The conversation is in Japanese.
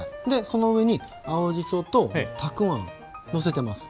その上に青じそとたくあんのせてます。